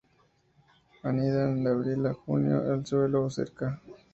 Anidan de abril a junio en el suelo o cerca.